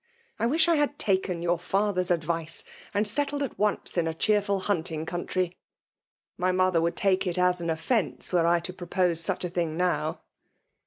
I wish I had taken your father's advice, and settled at once in a cheerful hunting country. My mo ther would take it as an offence, were I to propose such a thing now